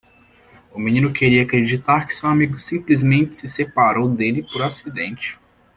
O menino queria acreditar que seu amigo simplesmente se separou dele por acidente.